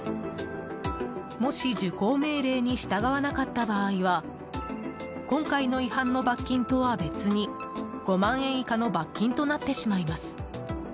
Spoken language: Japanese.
もし、受講命令に従わなかった場合は今回の違反の罰金とは別に５万円以下の罰金となってしまいます。